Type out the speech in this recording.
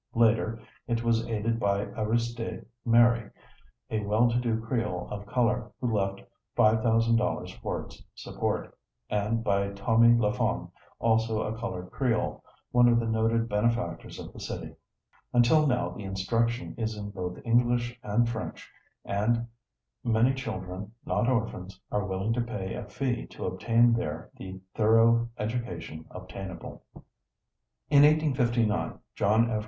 Later, it was aided by Aristide Mary, a well to do Creole of color, who left $5,000 for its support, and by Thomy Lafon, also a colored Creole, one of the noted benefactors of the city. Until now, the instruction is in both English and French, and many children, not orphans, are willing to pay a fee to obtain there the thorough education obtainable. In 1859 John F.